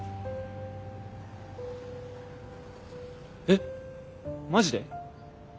えっマジで？